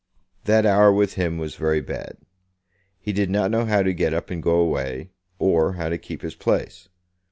That hour with him was very bad. He did not know how to get up and go away, or how to keep his place.